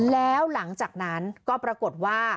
แล้วหลังจากนั้นก็ปรากฏว่า